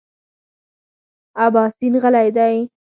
اباسین غلی دی .